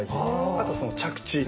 あとその着地。